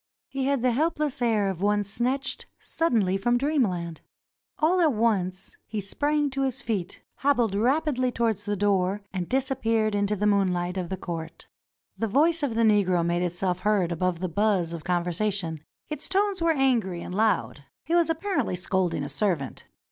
He had the helpless air of one snatched suddenly from dreamland. All at once he sprang to his feet, hobbled rapidly towards the door, 366 THE MUSIC OF THE DESERT and disappeared into the moonlight of the court. The voice of the Negro made itself heard above the buzz of conversation; its tones were angry and loud. He was apparently scolding a servant.